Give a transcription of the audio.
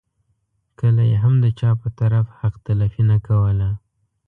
کله یې هم د چا په طرف حق تلفي نه کوله.